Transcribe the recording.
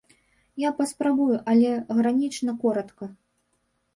Я паспрабую, але гранічна коратка.